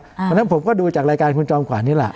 เพราะฉะนั้นผมก็ดูจากรายการคุณจอมขวานนี่แหละ